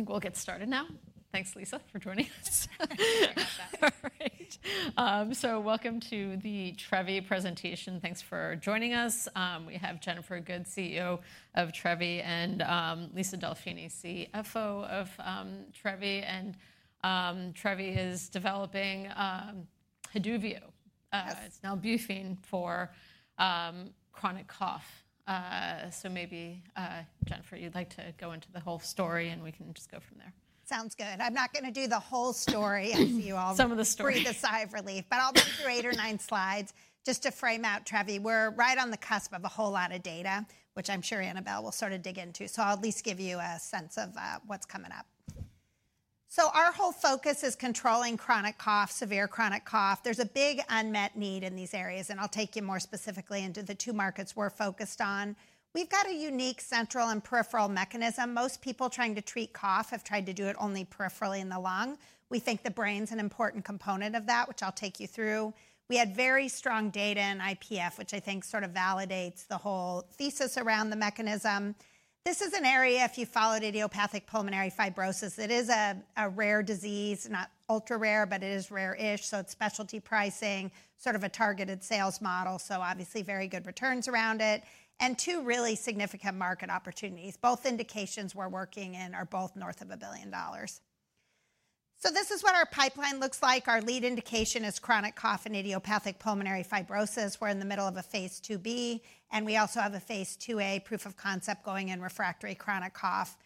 Right. I think we'll get started now. Thanks, Lisa, for joining us. All right. Welcome to the Trevi presentation. Thanks for joining us. We have Jennifer Good, CEO of Trevi, and Lisa Delfini, CFO of Trevi. Trevi is developing Haduvio. It's now Haduvio for chronic cough. Maybe, Jennifer, you'd like to go into the whole story, and we can just go from there. Sounds good. I'm not going to do the whole story and see you all. Some of the story. Breathe a sigh of relief, but I'll do three or nine slides just to frame out Trevi. We're right on the cusp of a whole lot of data, which I'm sure Annabelle will sort of dig into, so I'll at least give you a sense of what's coming up, so our whole focus is controlling chronic cough, severe chronic cough. There's a big unmet need in these areas, and I'll take you more specifically into the two markets we're focused on. We've got a unique central and peripheral mechanism. Most people trying to treat cough have tried to do it only peripherally in the lung. We think the brain's an important component of that, which I'll take you through. We had very strong data in IPF, which I think sort of validates the whole thesis around the mechanism. This is an area, if you followed idiopathic pulmonary fibrosis, it is a rare disease, not ultra rare, but it is rare-ish. So it's specialty pricing, sort of a targeted sales model. So obviously, very good returns around it. And two really significant market opportunities, both indications we're working in are both north of $1 billion. So this is what our pipeline looks like. Our lead indication is chronic cough and idiopathic pulmonary fibrosis. We're in the middle of a Phase 2b. And we also have a Phase 2a proof of concept going in refractory chronic cough.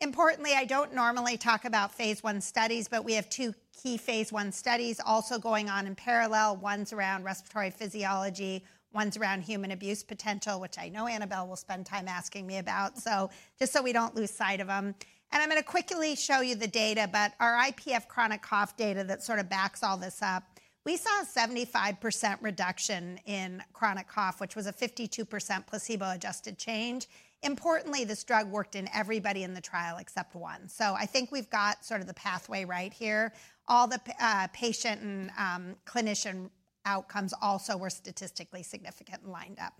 Importantly, I don't normally talk about Phase I studies, but we have two key Phase I studies also going on in parallel, ones around respiratory physiology, ones around human abuse potential, which I know Annabelle will spend time asking me about, so just so we don't lose sight of them. I'm going to quickly show you the data. Our IPF chronic cough data that sort of backs all this up, we saw a 75% reduction in chronic cough, which was a 52% placebo-adjusted change. Importantly, this drug worked in everybody in the trial except one. I think we've got sort of the pathway right here. All the patient and clinician outcomes also were statistically significant and lined up.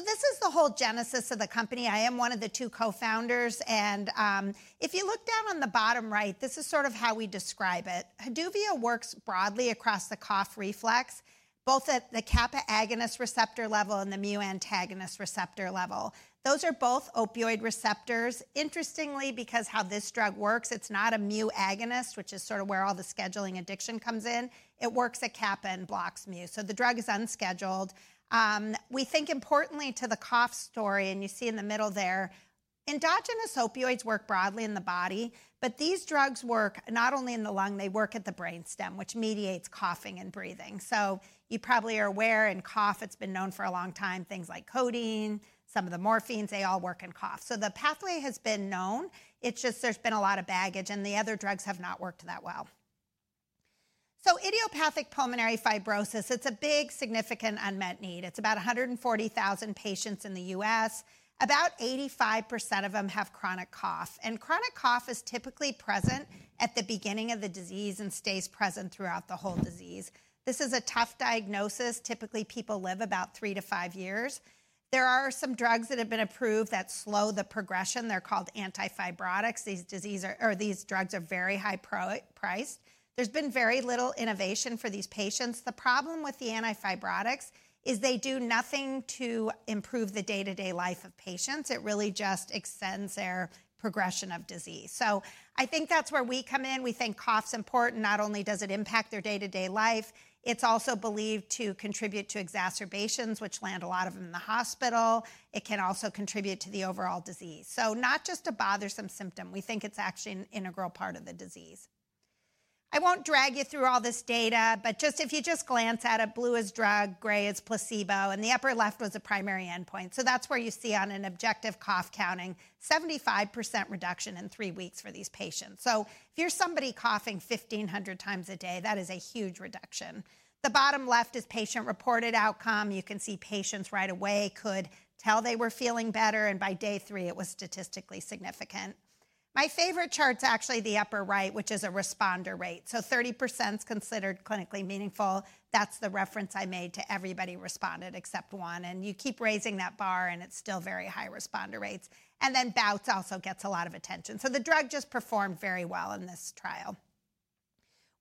This is the whole genesis of the company. I am one of the two co-founders. If you look down on the bottom right, this is sort of how we describe it. Haduvio works broadly across the cough reflex, both at the kappa agonist receptor level and the mu antagonist receptor level. Those are both opioid receptors. Interestingly, because how this drug works, it's not a mu agonist, which is sort of where all the scheduling addiction comes in. It works at kappa and blocks mu, so the drug is unscheduled. We think importantly to the cough story, and you see in the middle there, endogenous opioids work broadly in the body, but these drugs work not only in the lung, they work at the brainstem, which mediates coughing and breathing, so you probably are aware, in cough, it's been known for a long time, things like codeine, some of the morphines, they all work in cough, so the pathway has been known. It's just there's been a lot of baggage, and the other drugs have not worked that well, so idiopathic pulmonary fibrosis, it's a big, significant, unmet need. It's about 140,000 patients in the U.S. About 85% of them have chronic cough. Chronic cough is typically present at the beginning of the disease and stays present throughout the whole disease. This is a tough diagnosis. Typically, people live about three to five years. There are some drugs that have been approved that slow the progression. They're called antifibrotics. These drugs are very high-priced. There's been very little innovation for these patients. The problem with the antifibrotics is they do nothing to improve the day-to-day life of patients. It really just extends their progression of disease. So I think that's where we come in. We think cough's important. Not only does it impact their day-to-day life, it's also believed to contribute to exacerbations, which land a lot of them in the hospital. It can also contribute to the overall disease. So not just a bothersome symptom. We think it's actually an integral part of the disease. I won't drag you through all this data, but just if you glance at it, blue is drug, gray is placebo, and the upper left was the primary endpoint, so that's where you see on an objective cough counting, 75% reduction in three weeks for these patients, so if you're somebody coughing 1,500 times a day, that is a huge reduction. The bottom left is patient-reported outcome. You can see patients right away could tell they were feeling better, and by day three, it was statistically significant. My favorite chart's actually the upper right, which is a responder rate, so 30% is considered clinically meaningful. That's the reference I made to everybody responded except one, and you keep raising that bar, and it's still very high responder rates, and then bouts also gets a lot of attention, so the drug just performed very well in this trial.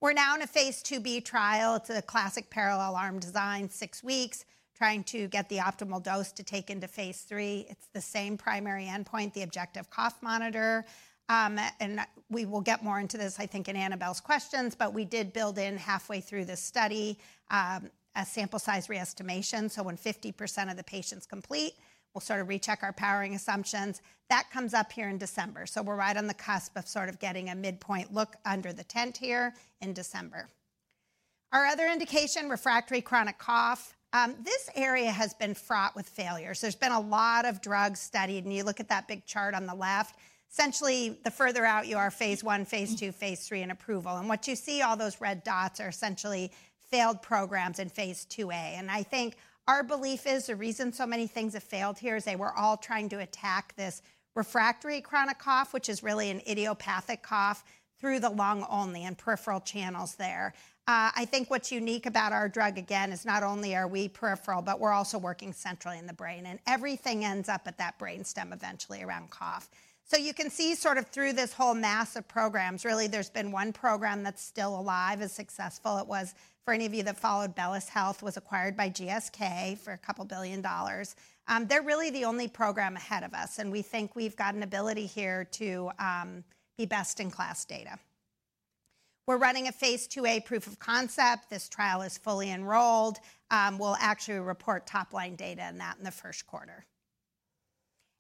We're now in a Phase 2b trial. It's a classic parallel arm design, six weeks, trying to get the optimal dose to take into phase three. It's the same primary endpoint, the objective cough monitor. And we will get more into this, I think, in Annabelle's questions. But we did build in halfway through this study a sample size re-estimation. So when 50% of the patients complete, we'll sort of recheck our powering assumptions. That comes up here in December. So we're right on the cusp of sort of getting a midpoint look under the tent here in December. Our other indication, refractory chronic cough, this area has been fraught with failures. There's been a lot of drugs studied. And you look at that big chart on the left, essentially, the further out you are, phase one, phase two, phase three in approval. And what you see, all those red dots are essentially failed programs in Phase 2a. And I think our belief is the reason so many things have failed here is they were all trying to attack this refractory chronic cough, which is really an idiopathic cough, through the lung only and peripheral channels there. I think what's unique about our drug, again, is not only are we peripheral, but we're also working centrally in the brain. And everything ends up at that brainstem eventually around cough. So you can see sort of through this whole mass of programs, really, there's been one program that's still alive and successful. It was, for any of you that followed Bellus Health, acquired by GSK for $2 billion. They're really the only program ahead of us. And we think we've got an ability here to be best-in-class data. We're running a Phase 2a proof of concept. This trial is fully enrolled. We'll actually report top-line data in that, in the first quarter,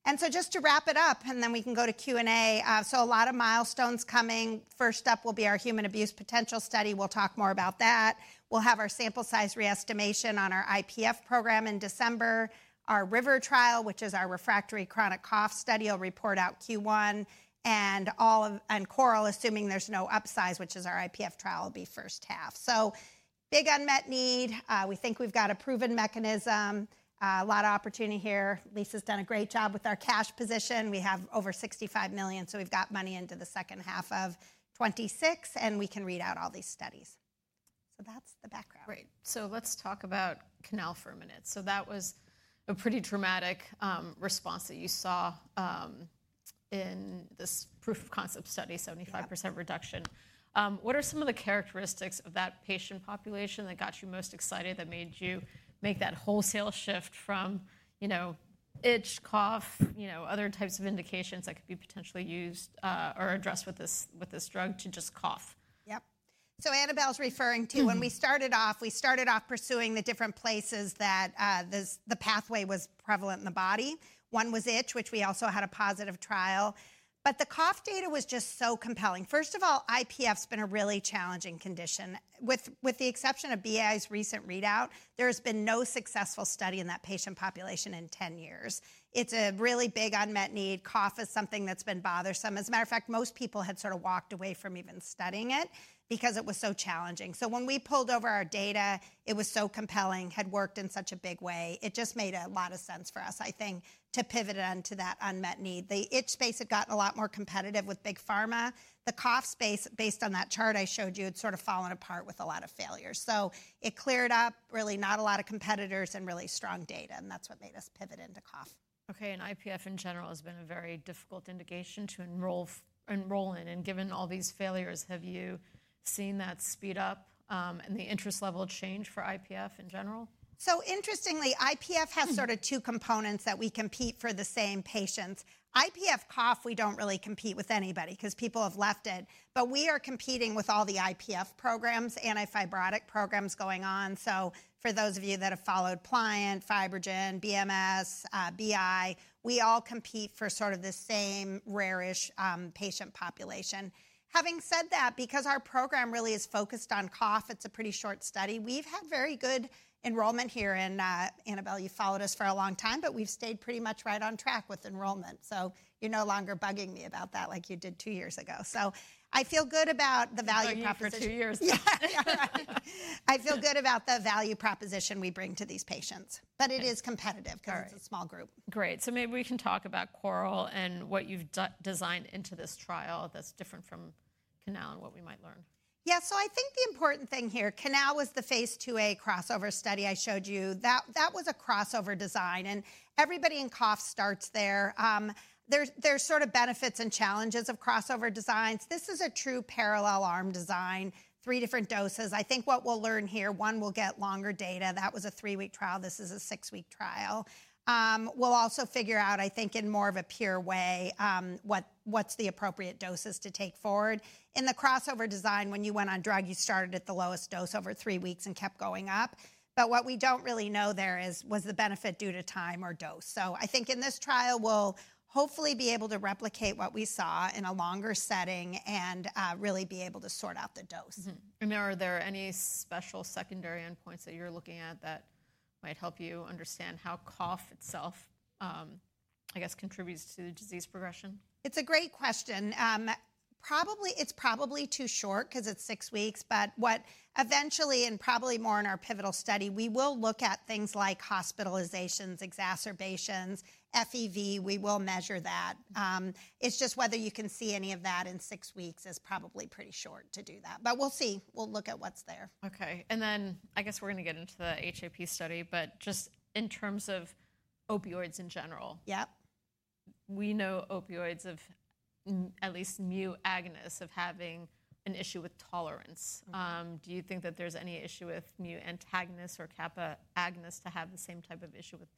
and so just to wrap it up, and then we can go to Q&A, so a lot of milestones coming. First up will be our human abuse potential study. We'll talk more about that. We'll have our sample size re-estimation on our IPF program in December. Our RIVER trial, which is our refractory chronic cough study, will report out Q1, and CORAL, assuming there's no upsize, which is our IPF trial, will be first half, so big unmet need. We think we've got a proven mechanism. A lot of opportunity here. Lisa's done a great job with our cash position. We have over $65 million, so we've got money into the second half of 2026, and we can read out all these studies. So that's the background. Great. So let's talk about CANAL for a minute. So that was a pretty dramatic response that you saw in this proof of concept study, 75% reduction. What are some of the characteristics of that patient population that got you most excited, that made you make that wholesale shift from itch, cough, other types of indications that could be potentially used or addressed with this drug to just cough? Yep. So Annabelle's referring to when we started off, we started off pursuing the different places that the pathway was prevalent in the body. One was itch, which we also had a positive trial. But the cough data was just so compelling. First of all, IPF's been a really challenging condition. With the exception of BI's recent readout, there has been no successful study in that patient population in 10 years. It's a really big unmet need. Cough is something that's been bothersome. As a matter of fact, most people had sort of walked away from even studying it because it was so challenging. So when we pored over our data, it was so compelling, had worked in such a big way. It just made a lot of sense for us, I think, to pivot onto that unmet need. The itch space had gotten a lot more competitive with big pharma. The cough space, based on that chart I showed you, had sort of fallen apart with a lot of failures, so it cleared up, really not a lot of competitors and really strong data, and that's what made us pivot into cough. OK, and IPF in general has been a very difficult indication to enroll in, and given all these failures, have you seen that speed up and the interest level change for IPF in general? So interestingly, IPF has sort of two components that we compete for the same patients. IPF cough, we don't really compete with anybody because people have left it. But we are competing with all the IPF programs, antifibrotic programs going on. So for those of you that have followed Pliant, FibroGen, BMS, BI, we all compete for sort of the same rarish patient population. Having said that, because our program really is focused on cough, it's a pretty short study, we've had very good enrollment here. And Annabelle, you followed us for a long time, but we've stayed pretty much right on track with enrollment. So you're no longer bugging me about that like you did two years ago. So I feel good about the value proposition. Right for two years. Yeah. I feel good about the value proposition we bring to these patients. But it is competitive because it's a small group. Great. So maybe we can talk about CORAL and what you've designed into this trial that's different from CANAL and what we might learn. Yeah. So I think the important thing here, CANAL was the Phase 2a crossover study I showed you. That was a crossover design. And everybody in cough starts there. There's sort of benefits and challenges of crossover designs. This is a true parallel arm design, three different doses. I think what we'll learn here, one we'll get longer data. That was a three-week trial. This is a six-week trial. We'll also figure out, I think, in more of a pure way, what's the appropriate doses to take forward. In the crossover design, when you went on drug, you started at the lowest dose over three weeks and kept going up. But what we don't really know there is, was the benefit due to time or dose. So I think in this trial, we'll hopefully be able to replicate what we saw in a longer setting and really be able to sort out the dose. Are there any special secondary endpoints that you're looking at that might help you understand how cough itself, I guess, contributes to the disease progression? It's a great question. It's probably too short because it's six weeks. But eventually, and probably more in our pivotal study, we will look at things like hospitalizations, exacerbations, FEV. We will measure that. It's just whether you can see any of that in six weeks is probably pretty short to do that. But we'll see. We'll look at what's there. OK. And then I guess we're going to get into the HAP study. But just in terms of opioids in general, we know opioids have, at least mu agonists, having an issue with tolerance. Do you think that there's any issue with mu antagonists or kappa agonists to have the same type of issue with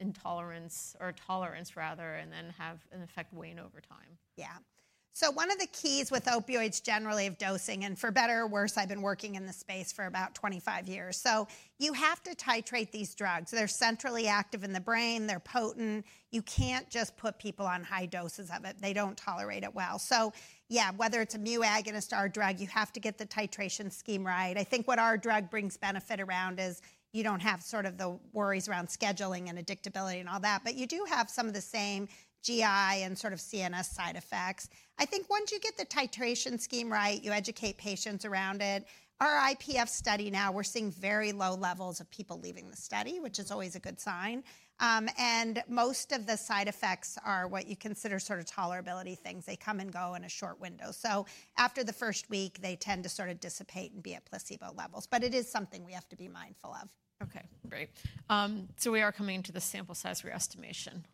intolerance or tolerance, rather, and then have an effect wane over time? Yeah. So one of the keys with opioids generally of dosing, and for better or worse, I've been working in the space for about 25 years. So you have to titrate these drugs. They're centrally active in the brain. They're potent. You can't just put people on high doses of it. They don't tolerate it well. So yeah, whether it's a mu agonist or a drug, you have to get the titration scheme right. I think what our drug brings benefit around is you don't have sort of the worries around scheduling and addictiveness and all that. But you do have some of the same GI and sort of CNS side effects. I think once you get the titration scheme right, you educate patients around it. Our IPF study now, we're seeing very low levels of people leaving the study, which is always a good sign. Most of the side effects are what you consider sort of tolerability things. They come and go in a short window. After the first week, they tend to sort of dissipate and be at placebo levels. It is something we have to be mindful of. OK. Great. So we are coming to the sample size re-estimation.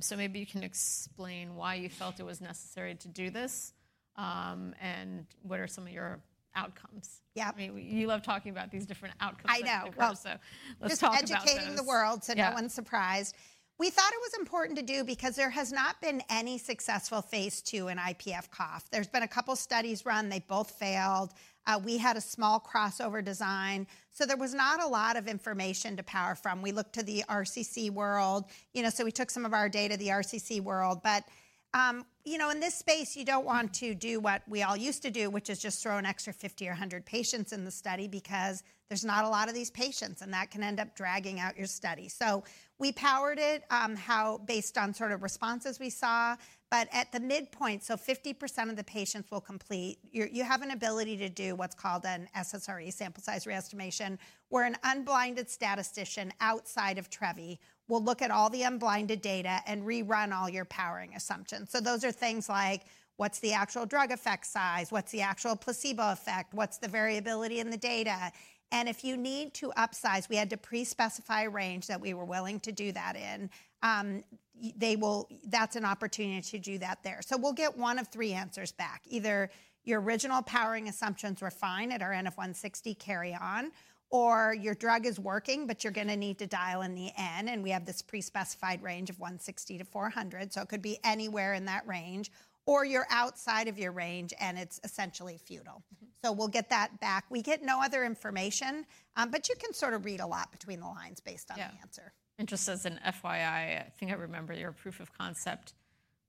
So maybe you can explain why you felt it was necessary to do this and what are some of your outcomes? Yeah. You love talking about these different outcomes. I know. So let's talk about that. Just educating the world so no one's surprised. We thought it was important to do because there has not been any successful Phase II in IPF cough. There's been a couple studies run. They both failed. We had a small crossover design. So there was not a lot of information to power from. We looked to the RCC world. So we took some of our data to the RCC world. But in this space, you don't want to do what we all used to do, which is just throw an extra 50 or 100 patients in the study because there's not a lot of these patients. And that can end up dragging out your study. So we powered it based on sort of responses we saw. But at the midpoint, so 50% of the patients will complete, you have an ability to do what's called an SSRE sample size re-estimation, where an unblinded statistician outside of Trevi will look at all the unblinded data and rerun all your powering assumptions. So those are things like, what's the actual drug effect size? What's the actual placebo effect? What's the variability in the data? And if you need to upsize, we had to pre-specify a range that we were willing to do that in. That's an opportunity to do that there. So we'll get one of three answers back. Either your original powering assumptions were fine at our end of 160, carry on, or your drug is working, but you're going to need to dial in the end. And we have this pre-specified range of 160-400. So it could be anywhere in that range. Or you're outside of your range, and it's essentially futile. So we'll get that back. We get no other information. But you can sort of read a lot between the lines based on the answer. Interesting. As an FYI, I think I remember your proof of concept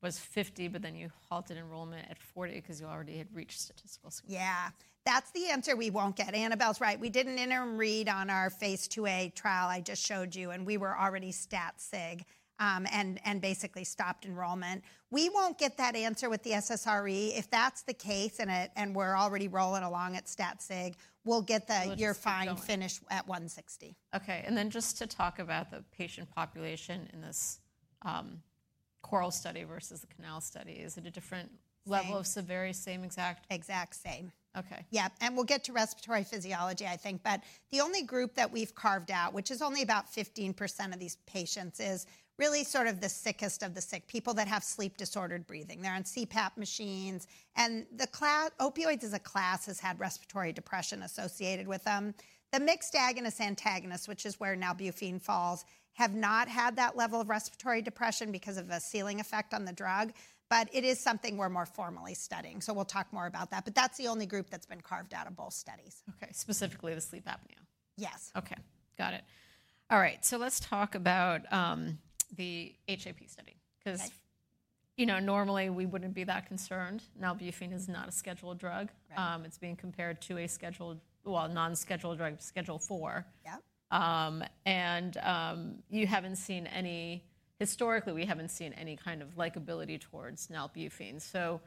was 50, but then you halted enrollment at 40 because you already had reached statistical success. Yeah. That's the answer we won't get. Annabelle's right. We did an interim read on our Phase 2a trial I just showed you. And we were already stat-sig and basically stopped enrollment. We won't get that answer with the SSRE. If that's the case and we're already rolling along at stat-sig, we'll get the you're fine finish at 160. OK. And then just to talk about the patient population in this CORAL study versus the CANAL study, is it a different level of severity, same exact? Exact same. OK. Yeah. And we'll get to respiratory physiology, I think. But the only group that we've carved out, which is only about 15% of these patients, is really sort of the sickest of the sick, people that have sleep-disordered breathing. They're on CPAP machines. And opioids as a class has had respiratory depression associated with them. The mixed agonist antagonists, which is where nalbuphine falls, have not had that level of respiratory depression because of a ceiling effect on the drug. But it is something we're more formally studying. So we'll talk more about that. But that's the only group that's been carved out of both studies. OK. Specifically the sleep apnea. Yes. OK. Got it. All right. So let's talk about the HAP study. Because normally we wouldn't be that concerned. nalbuphine is not a scheduled drug. It's being compared to a scheduled, well, non-scheduled drug, Schedule IV. And you haven't seen any historically, we haven't seen any kind of likability towards nalbuphine. So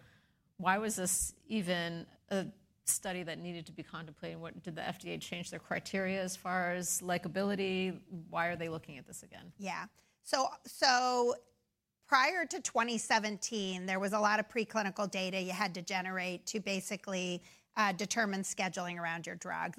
why was this even a study that needed to be contemplated? Did the FDA change their criteria as far as likability? Why are they looking at this again? Yeah. So prior to 2017, there was a lot of preclinical data you had to generate to basically determine scheduling around your drug.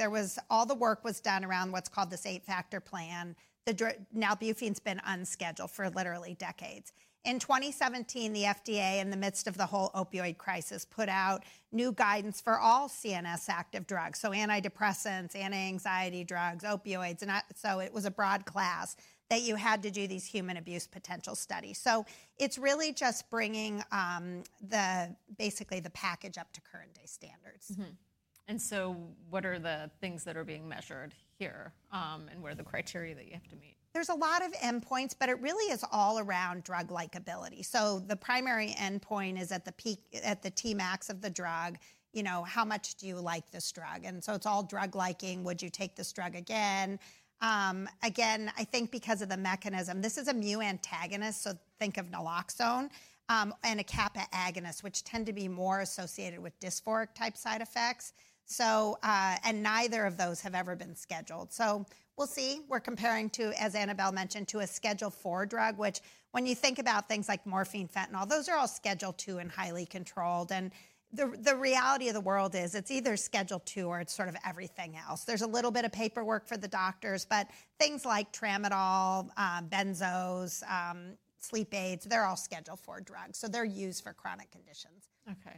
All the work was done around what's called this eight-factor plan. nalbuphine's been unscheduled for literally decades. In 2017, the FDA, in the midst of the whole opioid crisis, put out new guidance for all CNS active drugs. So antidepressants, anti-anxiety drugs, opioids. So it was a broad class that you had to do these human abuse potential studies. So it's really just bringing basically the package up to current-day standards. And so what are the things that are being measured here and what are the criteria that you have to meet? There's a lot of endpoints, but it really is all around drug likability. So the primary endpoint is at the Tmax of the drug, how much do you like this drug? And so it's all drug liking. Would you take this drug again? Again, I think because of the mechanism, this is a mu antagonist. So think of naloxone and a kappa agonist, which tend to be more associated with dysphoric-type side effects. And neither of those have ever been scheduled. So we'll see. We're comparing to, as Annabelle mentioned, to a Schedule IV drug, which when you think about things like morphine, fentanyl, those are all Schedule II and highly controlled. And the reality of the world is it's either Schedule II or it's sort of everything else. There's a little bit of paperwork for the doctors. But things like tramadol, benzos, sleep aids, they're all Schedule IV drugs. So they're used for chronic conditions.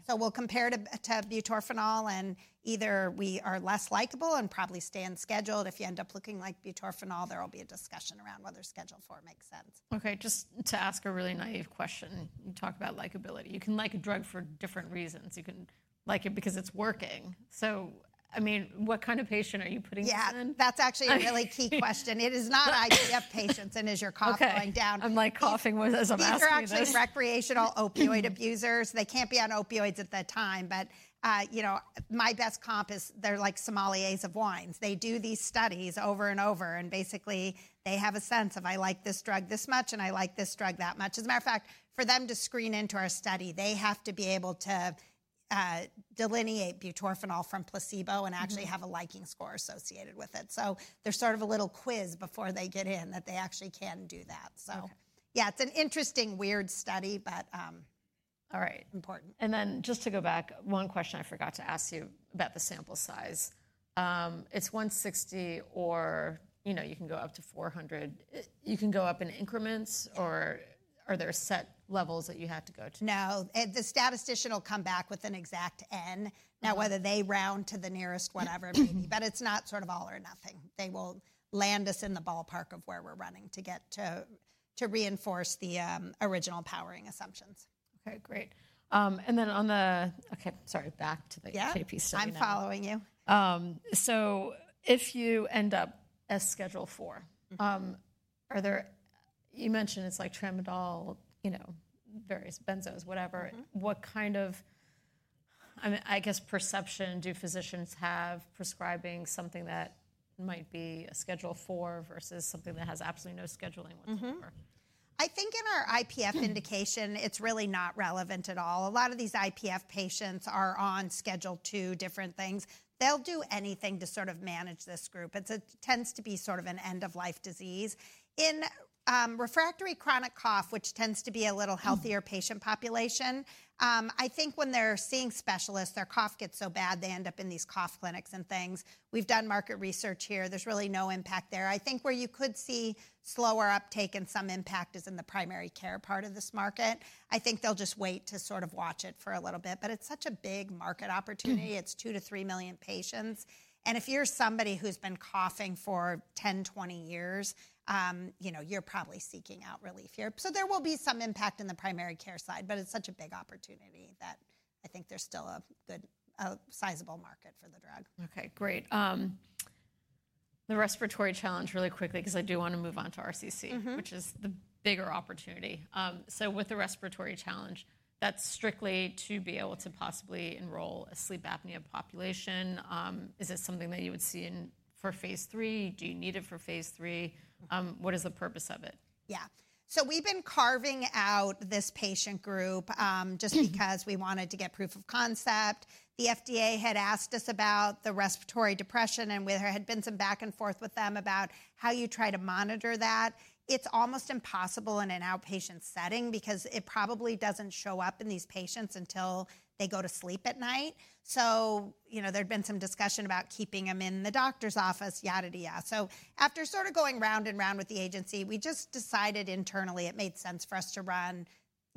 So we'll compare to butorphanol. And either we are less likable and probably stay unscheduled. If you end up looking like butorphanol, there will be a discussion around whether Schedule IV makes sense. OK. Just to ask a really naive question, you talk about likability. You can like a drug for different reasons. You can like it because it's working. So I mean, what kind of patient are you putting this in? Yeah. That's actually a really key question. It is not IPF patients, and is your cough going down? I'm like coughing as I'm asking this. Recreational opioid abusers. They can't be on opioids at that time. But my best comp is they're like sommeliers of wines. They do these studies over and over. And basically, they have a sense of, I like this drug this much, and I like this drug that much. As a matter of fact, for them to screen into our study, they have to be able to delineate butorphanol from placebo and actually have a liking score associated with it. So there's sort of a little quiz before they get in that they actually can do that. So yeah, it's an interesting, weird study, but important. All right. And then just to go back, one question I forgot to ask you about the sample size. It's 160, or you can go up to 400. You can go up in increments, or are there set levels that you have to go to? No. The statistician will come back with an exact N. Now, whether they round to the nearest whatever it may be, but it's not sort of all or nothing. They will land us in the ballpark of where we're running to reinforce the original powering assumptions. OK. Great. And then, sorry, back to the HAP study. Yeah. I'm following you. So if you end up as Schedule IV, you mentioned it's like tramadol, various benzos, whatever. What kind of, I guess, perception do physicians have prescribing something that might be a Schedule IV versus something that has absolutely no scheduling whatsoever? I think in our IPF indication, it's really not relevant at all. A lot of these IPF patients are on Schedule II different things. They'll do anything to sort of manage this group. It tends to be sort of an end-of-life disease. In refractory chronic cough, which tends to be a little healthier patient population, I think when they're seeing specialists, their cough gets so bad, they end up in these cough clinics and things. We've done market research here. There's really no impact there. I think where you could see slower uptake and some impact is in the primary care part of this market. I think they'll just wait to sort of watch it for a little bit, but it's such a big market opportunity. It's two to three million patients, and if you're somebody who's been coughing for 10, 20 years, you're probably seeking out relief here. So there will be some impact in the primary care side. But it's such a big opportunity that I think there's still a sizable market for the drug. OK. Great. The respiratory challenge, really quickly, because I do want to move on to RCC, which is the bigger opportunity. So with the respiratory challenge, that's strictly to be able to possibly enroll a sleep apnea population. Is it something that you would see for Phase III? Do you need it for phase three? What is the purpose of it? Yeah. So we've been carving out this patient group just because we wanted to get proof of concept. The FDA had asked us about the respiratory depression. And there had been some back and forth with them about how you try to monitor that. It's almost impossible in an outpatient setting because it probably doesn't show up in these patients until they go to sleep at night. So there had been some discussion about keeping them in the doctor's office, yada, yada, yada. So after sort of going round and round with the agency, we just decided internally it made sense for us to run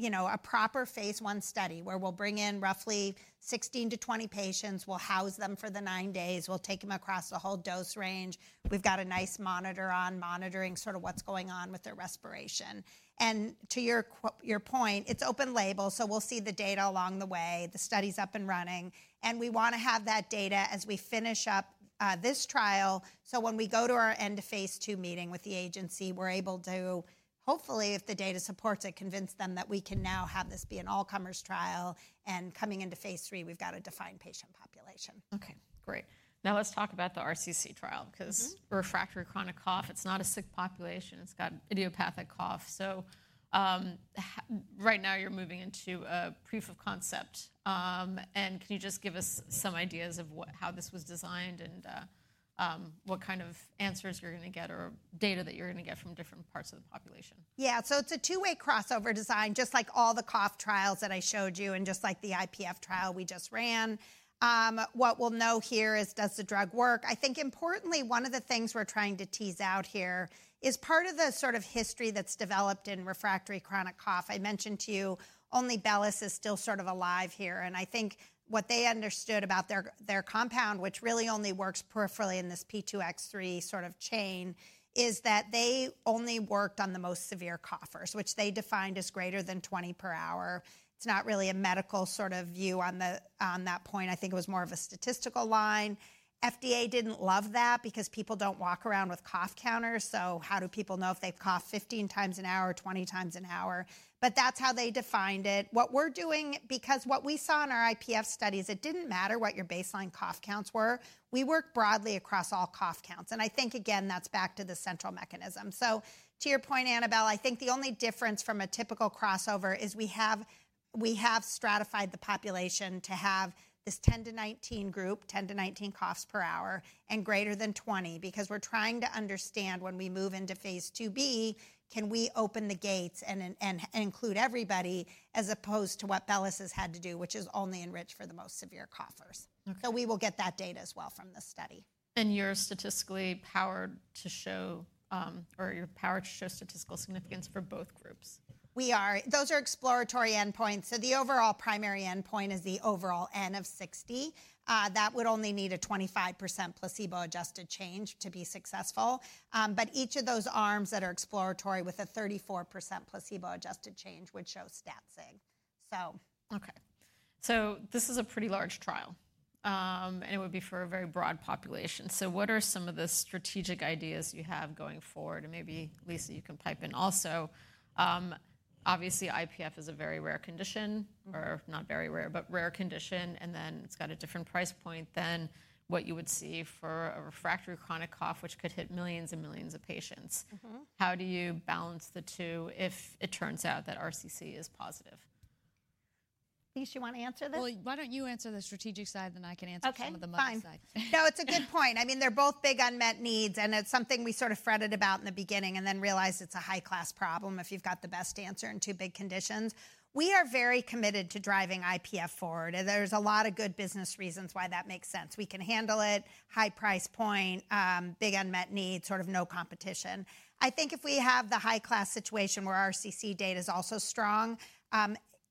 a proper phase 1 study where we'll bring in roughly 16 to 20 patients. We'll house them for the nine days. We'll take them across the whole dose range. We've got a nice monitor on monitoring sort of what's going on with their respiration. To your point, it's open label. We'll see the data along the way. The study's up and running. We want to have that data as we finish up this trial. When we go to our end of phase two meeting with the agency, we're able to hopefully, if the data supports it, convince them that we can now have this be an all-comers trial. Coming into phase three, we've got a defined patient population. OK. Great. Now let's talk about the RCC trial. Because refractory chronic cough, it's not a sick population. It's got idiopathic cough. So right now, you're moving into a proof of concept, and can you just give us some ideas of how this was designed and what kind of answers you're going to get or data that you're going to get from different parts of the population? Yeah. So it's a two-way crossover design, just like all the cough trials that I showed you and just like the IPF trial we just ran. What we'll know here is, does the drug work? I think importantly, one of the things we're trying to tease out here is part of the sort of history that's developed in refractory chronic cough. I mentioned to you, only Bellus is still sort of alive here. And I think what they understood about their compound, which really only works peripherally in this P2X3 sort of chain, is that they only worked on the most severe coughers, which they defined as greater than 20 per hour. It's not really a medical sort of view on that point. I think it was more of a statistical line. FDA didn't love that because people don't walk around with cough counters. How do people know if they've coughed 15x an hour or 20x an hour? But that's how they defined it. Because what we saw in our IPF studies, it didn't matter what your baseline cough counts were. We work broadly across all cough counts. And I think, again, that's back to the central mechanism. So to your point, Annabelle, I think the only difference from a typical crossover is we have stratified the population to have this 10 to 19 group, 10 to 19 coughs per hour and greater than 20. Because we're trying to understand when we move into Phase 2b, can we open the gates and include everybody as opposed to what Bellus has had to do, which is only enrich for the most severe coughers. So we will get that data as well from the study. You're statistically powered to show or you're powered to show statistical significance for both groups? We are. Those are exploratory endpoints. So the overall primary endpoint is the overall N of 60. That would only need a 25% placebo-adjusted change to be successful. But each of those arms that are exploratory with a 34% placebo-adjusted change would show stat-sig. OK. So this is a pretty large trial. And it would be for a very broad population. So what are some of the strategic ideas you have going forward? And maybe, Lisa, you can pipe in also. Obviously, IPF is a very rare condition or not very rare, but rare condition. And then it's got a different price point than what you would see for a refractory chronic cough, which could hit millions and millions of patients. How do you balance the two if it turns out that RCC is positive? Lisa, you want to answer this? Why don't you answer the strategic side, then I can answer some of the money side. OK. Fine. No, it's a good point. I mean, they're both big unmet needs. And it's something we sort of fretted about in the beginning and then realized it's a high-class problem if you've got the best answer in two big conditions. We are very committed to driving IPF forward. And there's a lot of good business reasons why that makes sense. We can handle it, high price point, big unmet need, sort of no competition. I think if we have the high-class situation where RCC data is also strong,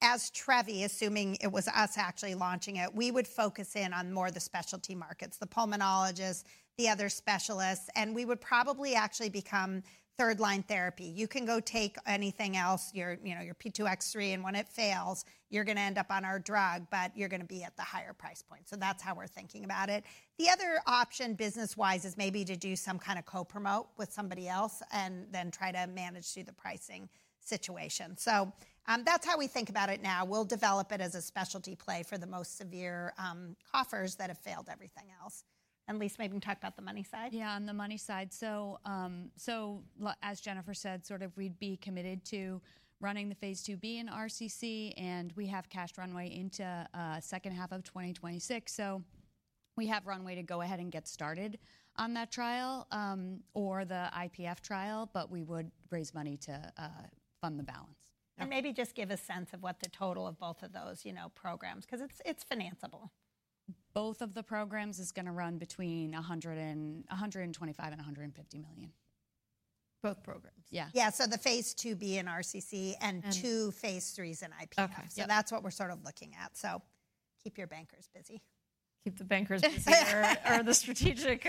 as Trevi, assuming it was us actually launching it, we would focus in on more of the specialty markets, the pulmonologists, the other specialists. And we would probably actually become third-line therapy. You can go take anything else, your P2X3. And when it fails, you're going to end up on our drug. But you're going to be at the higher price point. So that's how we're thinking about it. The other option business-wise is maybe to do some kind of co-promote with somebody else and then try to manage through the pricing situation. So that's how we think about it now. We'll develop it as a specialty play for the most severe coughers that have failed everything else. And Lisa, maybe you can talk about the money side. Yeah, on the money side, so as Jennifer said, sort of we'd be committed to running the Phase 2b in RCC, and we have cash runway into the second half of 2026, so we have runway to go ahead and get started on that trial or the IPF trial, but we would raise money to fund the balance. Maybe just give a sense of what the total of both of those programs is, because it's financeable. Both of the programs is going to run between $125 million and $150 million. Both programs. Yeah. Yeah, so the Phase 2b in RCC and two Phase IIIs in IPF. So that's what we're sort of looking at. So keep your bankers busy. Keep the bankers busy or the strategic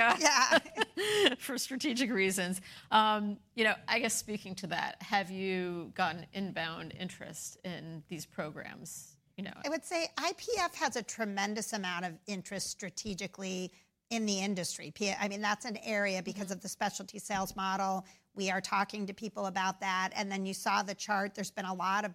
for strategic reasons. I guess, speaking to that, have you gotten inbound interest in these programs? I would say IPF has a tremendous amount of interest strategically in the industry. I mean, that's an area because of the specialty sales model. We are talking to people about that, and then you saw the chart. There's been a lot of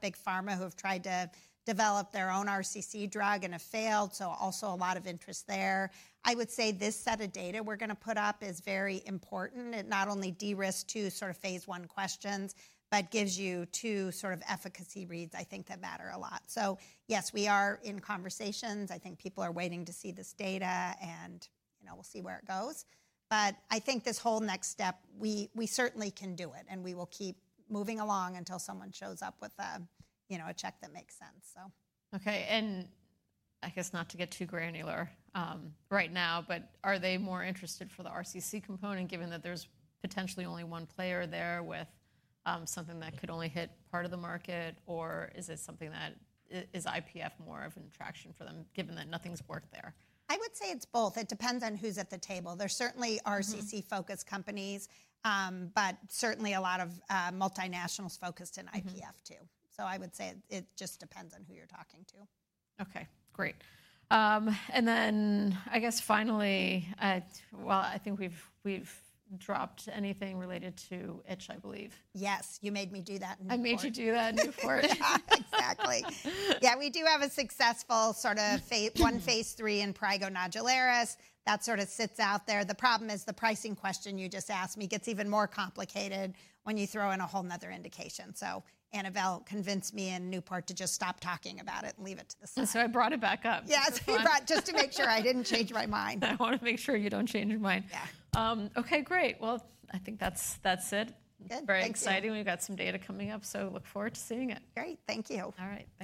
big pharma who have tried to develop their own RCC drug and have failed, so also a lot of interest there. I would say this set of data we're going to put up is very important. It not only de-risks two sort of phase one questions, but gives you two sort of efficacy reads, I think, that matter a lot. So yes, we are in conversations. I think people are waiting to see this data, and we'll see where it goes. But I think this whole next step, we certainly can do it. We will keep moving along until someone shows up with a check that makes sense. OK. And I guess not to get too granular right now, but are they more interested for the RCC component, given that there's potentially only one player there with something that could only hit part of the market? Or is it something that is IPF more of an attraction for them, given that nothing's worked there? I would say it's both. It depends on who's at the table. There's certainly RCC-focused companies, but certainly a lot of multinationals focused in IPF, too. So I would say it just depends on who you're talking to. OK. Great. And then I guess finally, well, I think we've dropped anything related to itch, I believe. Yes. You made me do that in Newport. I made you do that in Newport. Exactly. Yeah, we do have a successful sort of Phase III in prurigo nodularis. That sort of sits out there. The problem is the pricing question you just asked me gets even more complicated when you throw in a whole nother indication, so Annabelle convinced me in Newport to just stop talking about it and leave it to the sun. I brought it back up. Yeah, we brought it just to make sure I didn't change my mind. I want to make sure you don't change your mind. Yeah. OK. Great. Well, I think that's it. Good. Very exciting. We've got some data coming up. So look forward to seeing it. Great. Thank you. All right.